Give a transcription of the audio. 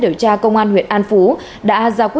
thì đã bị công an huyện an phú bắt giữ